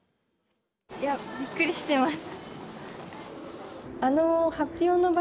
びっくりしてます。